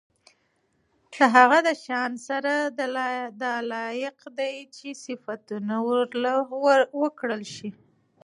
د هغه د شان سره دا لائق دي چې صفتونه دي ورله وکړل شي